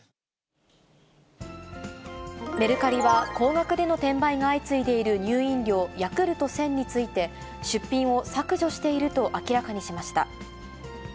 メルカリは、高額での転売が相次いでいる乳飲料、ヤクルト１０００について、出品を削除していると明らかにしました。